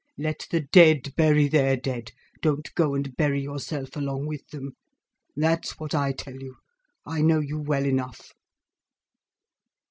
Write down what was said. "Let the dead bury their dead—don't go and bury yourself along with them—that's what I tell you. I know you well enough."